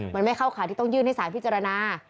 มันไม่เข้าขายที่ต้องยื่นให้สารพิจารณา